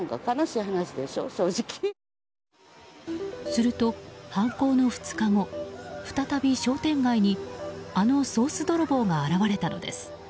すると、犯行の２日後再び商店街にあのソース泥棒が現れたのです。